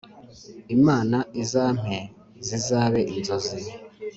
Imana izampe zizabe inzozi.